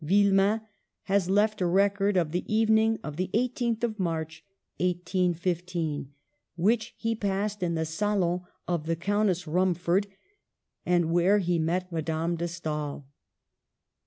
Villemain has left a record of the evening of the 1 8th March 1815, which he passed in the salon of the Countess Rumford, and where he met Madame de Stael.